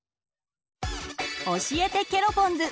教えてケロポンズ！